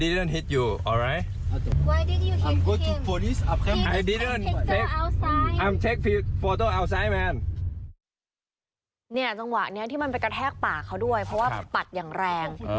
จังหวะนี้ที่มันไปกระแทกปากเขาด้วยเพราะว่าปัดอย่างแรง